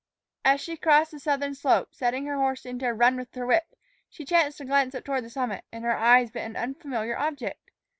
As she crossed the southern slope, setting her horse into a run with her whip, she chanced to glance up toward the summit, and her eyes met an unfamiliar object.